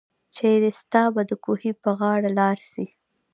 چيري ستاه به دکوهي په غاړه لار شي